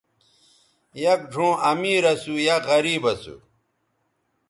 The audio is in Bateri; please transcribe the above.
یک ڙھؤں امیر اسُو ،یک غریب اسُو